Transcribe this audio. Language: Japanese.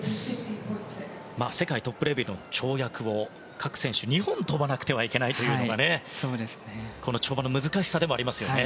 世界トップレベルの跳躍を各選手が２本跳ばなければいけないことがこの跳馬の難しさでもありますよね。